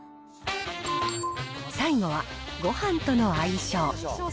最後は、ごはんとの相性。